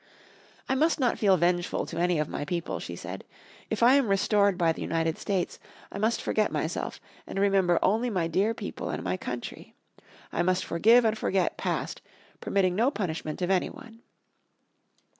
"I must not feel vengeful to any of my people," she said. "If I am restored by the United States, I must forget myself, and remember only my dear people and my country. I must forgive and forget the past, permitting no punishment of any one."